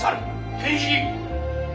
変身！